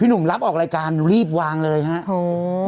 หนุ่มรับออกรายการรีบวางเลยครับ